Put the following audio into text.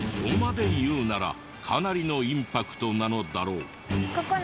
ここまで言うのならかなりのインパクトなのだろう。